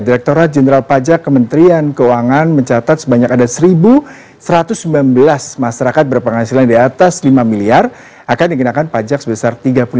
direkturat jenderal pajak kementerian keuangan mencatat sebanyak ada satu satu ratus sembilan belas masyarakat berpenghasilan di atas lima miliar akan dikenakan pajak sebesar tiga puluh